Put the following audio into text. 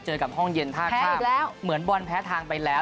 เจอกับห้องเย็นท่าข้ามแล้วเหมือนบอลแพ้ทางไปแล้ว